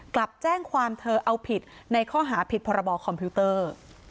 กลับแจ้งความเธอเอาผิดในข้อหาผิดพรบคอมพิวเตอร์